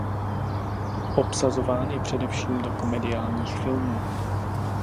Obsazován je především do komediálních filmů.